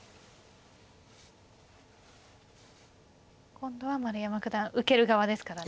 今度は丸山九段受ける側ですからね。